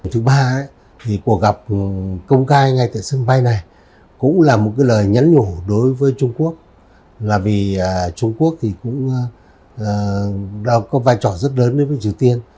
thứ ba cuộc gặp công khai ngay tại sân bay này cũng là một lời nhấn nhổ đối với trung quốc vì trung quốc cũng có vai trò rất lớn với triều tiên